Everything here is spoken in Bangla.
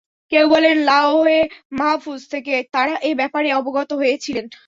কেউ বলেন, লাওহে মাহফুজ থেকে তারা এ ব্যাপারে অবগত হয়েছিলেন।